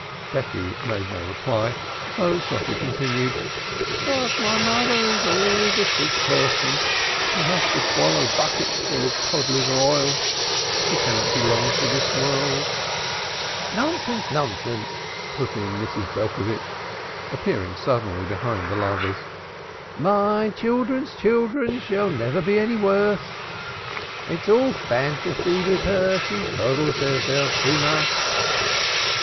Becky made no reply, so Shosshi continued: "But my mother is always a sick person. She has to swallow bucketsful of cod liver oil. She cannot be long for this world." "Nonsense, nonsense," put in Mrs. Belcovitch, appearing suddenly behind the lovers. "My children's children shall never be any worse; it's all fancy with her, she coddles herself too much."